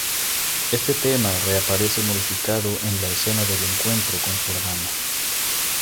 Este tema reaparece modificado en la escena del encuentro con su hermano.